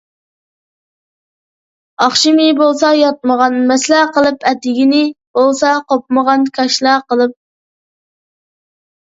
ئاخشىمى بولسا ياتمىغان مەسلە قىلىپ ئەتىگىنى بولسا قوپمىغان كاشىلا قىلىپ